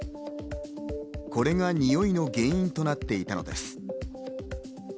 これがにおいの原因となっていたのです。